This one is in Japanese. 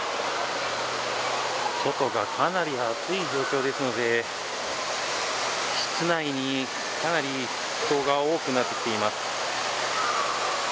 外がかなり暑い状況ですので室内にかなり人が多くなっています。